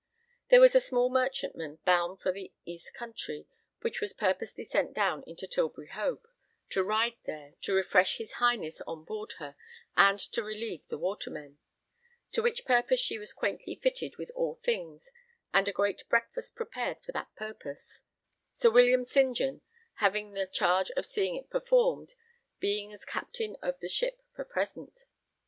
There was a small merchantman bound for the East Country, which was purposely sent down into Tilbury Hope, to ride there, to refresh his Highness on board her and to relieve the watermen; to which purpose she was quaintly fitted with all things, and a great breakfast prepared for that purpose, Sir William St. John having the charge of seeing it performed, being as Captain of the ship for present.